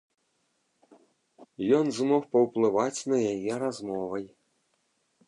Ён змог паўплываць на яе размовай.